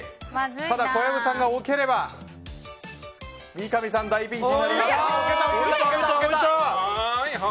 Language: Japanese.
ただ小籔さんが置ければ三上さん大ピンチ。